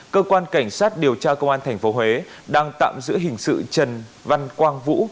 cơ quan cảnh sát điều tra công an tp huế đang tạm giữ hình sự trần văn quang vũ